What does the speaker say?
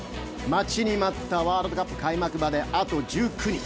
待ちに待ったワールドカップ開幕まであと１９日。